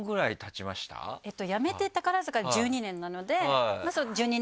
辞めて宝塚１２年なので。